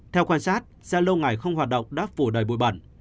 theo quan sát lâu ngày không hoạt động đã phủ đầy bụi bẩn